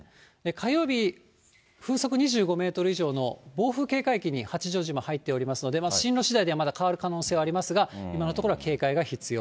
火曜日、風速２５メートル以上の暴風警戒域に八丈島入っておりますので、進路しだいではまだ変わる可能性ありますが、今のところは警戒が必要。